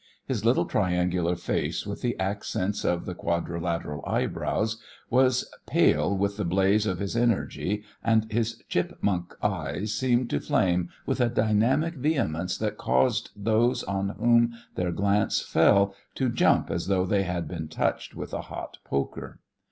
His little triangular face with the accents of the quadrilateral eyebrows was pale with the blaze of his energy, and his chipmunk eyes seemed to flame with a dynamic vehemence that caused those on whom their glance fell to jump as though they had been touched with a hot poker.